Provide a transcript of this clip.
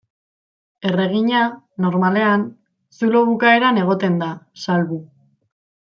Erregina, normalean, zulo bukaeran egoten da, salbu.